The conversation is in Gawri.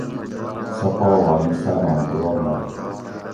سہۤ پا والی صاباں دور مئ